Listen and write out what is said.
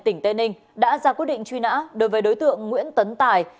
tỉnh tây ninh đã ra quyết định truy nã đối với đối tượng nguyễn tấn tài